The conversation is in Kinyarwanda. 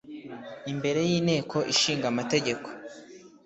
imbere y Inteko Ishinga Amategeko